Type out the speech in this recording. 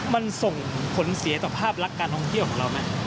มันส่งผลเสียต่อภาพรักการที่เราไหม